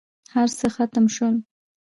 هرڅه ختم شول.